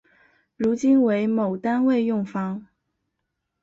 如今为某单位用房。